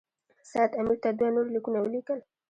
سید امیر ته دوه نور لیکونه ولیکل.